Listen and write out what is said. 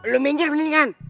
lo minggir mendingan